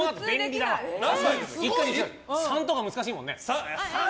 ３とか難しいもんね。